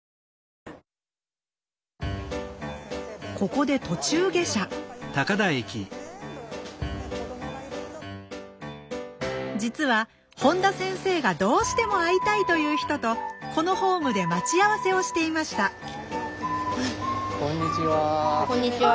ここで途中下車実は本田先生がどうしても会いたいという人とこのホームで待ち合わせをしていましたこんにちは。